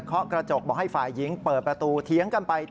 เขากระจกบอกให้ฝ่ายหญิงเปิดประตูเถียงกันไป